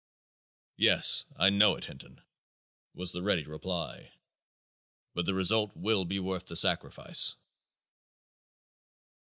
"Yes, I know it, Hinton," was the ready reply, "but the result will be worth the sacrifice."